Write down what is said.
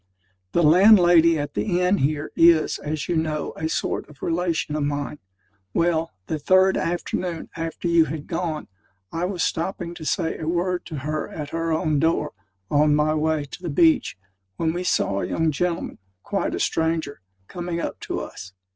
The landlady at the inn here, is, as you know, a sort of relation of mine. Well, the third afternoon after you had gone, I was stopping to say a word to her at her own door, on my way to the beach, when we saw a young gentleman, quite a stranger, coming up to us.